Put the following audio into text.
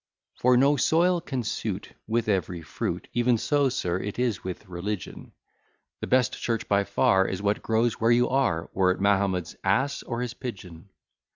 For no soil can suit With every fruit, Even so, Sir, it is with religion; The best church by far Is what grows where you are, Were it Mahomet's ass or his pigeon.